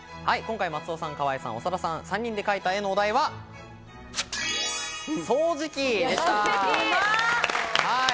松尾さん、河合さん、長田さんの３人で描いた絵のお題は掃除機でした。